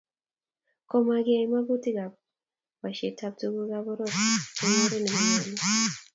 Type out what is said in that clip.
komakiyai magutik ak boisietab tugukab poror eng oret ne monyolu